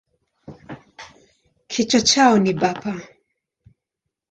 Kichwa chao ni bapa.